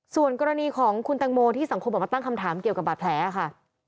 ส่วนกรณีของคุณแตงโมที่สังคมออกมาตั้งคำถามเกี่ยวกับบาดแผลค่ะ